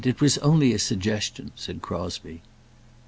It was only a suggestion," said Crosbie.